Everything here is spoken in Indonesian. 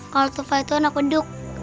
kalau tumpah itu anak beduk